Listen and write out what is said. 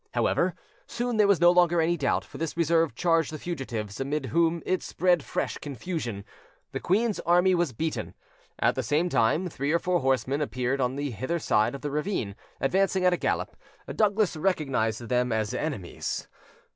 However, soon there was no longer any doubt; for this reserve charged the fugitives, amid whom it spread fresh confusion. The queen's army was beaten. At the same time, three or four horsemen appeared on the hither side of the ravine, advancing at a gallop. Douglas recognised them as enemies.